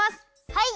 はい！